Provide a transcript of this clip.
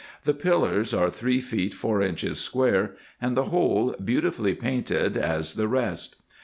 The pillars are three feet four inches square, and the whole beautifully painted as the rest.